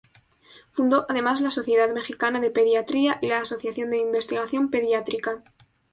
Fundó además la Sociedad Mexicana de Pediatría y la Asociación de Investigación Pediátrica.